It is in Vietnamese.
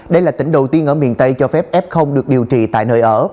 đây là tỉnh đầu tiên ở miền tây cho phép f được điều trị tại nơi ở